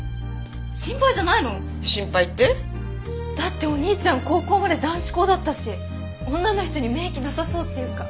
心配じゃないの？心配って？だってお兄ちゃん高校まで男子校だったし女の人に免疫なさそうっていうか。